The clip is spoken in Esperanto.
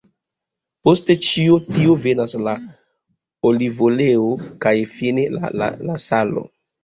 Post ĉi tio venas la olivoleo, kaj fine la salo.